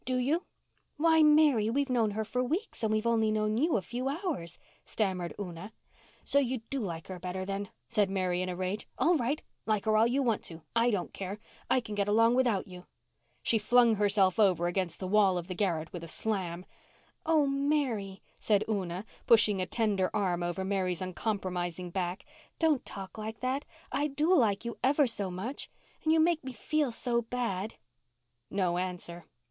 "Do you?" "Why, Mary—we've known her for weeks and we've only known you a few hours," stammered Una. "So you do like her better then?" said Mary in a rage. "All right! Like her all you want to. I don't care. I can get along without you." She flung herself over against the wall of the garret with a slam. "Oh, Mary," said Una, pushing a tender arm over Mary's uncompromising back, "don't talk like that. I do like you ever so much. And you make me feel so bad." No answer.